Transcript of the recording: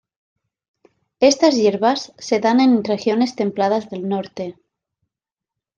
Estas hierbas se dan en regiones templadas del norte.